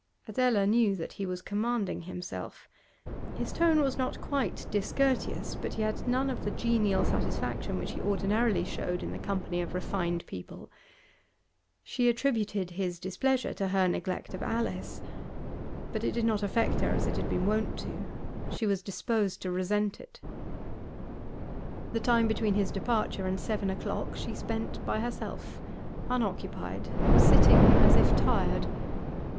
Adela knew that he was commanding himself; his tone was not quite discourteous, but he had none of the genial satisfaction which he ordinarily showed in the company of refined people. She attributed his displeasure to her neglect of Alice. But it did not affect her as it had been wont to; she was disposed to resent it. The time between his departure and seven o'clock she spent by herself, unoccupied, sitting as if tired.